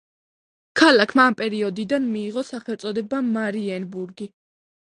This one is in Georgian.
ქალაქმა ამ პერიოდიდან მიიღო სახელწოდება მარიენბურგი.